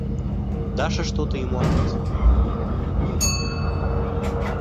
Даша что-то ему ответила, но трудно было расслышать.